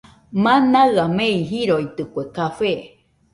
Manaɨa mei jiroitɨkue café